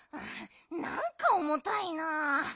なんかおもたいな。